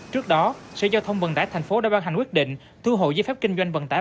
trước đó sở giao thông vận tải tp hcm đã ban hành quyết định thu hộ giấy phép kinh doanh vận tải